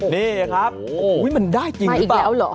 นี่ครับมันได้จริงหรือเปล่า